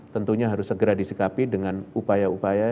tentunya harus segera disikapi dengan upaya upaya